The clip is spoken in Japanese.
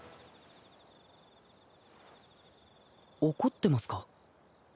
「怒ってますか？」